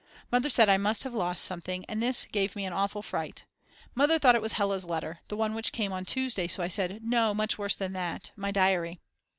Mother said I must have lost something, and this gave me an awful fright. Mother thought it was Hella's letter, the one which came on Tuesday, so I said: No, much worse than that, my diary.